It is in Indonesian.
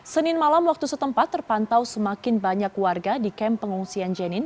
senin malam waktu setempat terpantau semakin banyak warga di kem pengungsian jenin